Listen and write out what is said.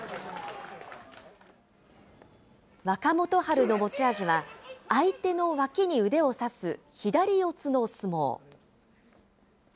若元春の持ち味は、相手の脇に腕を差す左四つの相撲。